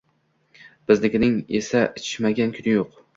Biznikining esa ichmagan kuni yo`q